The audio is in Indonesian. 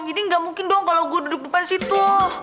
jadi nggak mungkin dong kalo gue duduk depan situ